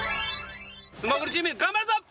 素潜りチーム頑張るぞ！